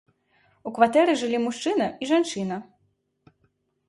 У кватэры жылі мужчына і жанчына.